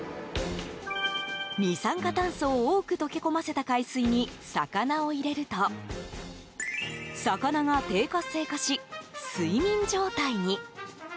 二酸化炭素を多く溶け込ませた海水に魚を入れると魚が低活性化し、睡眠状態に。